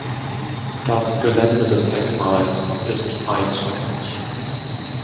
Das Gelände des Denkmals ist frei zugänglich.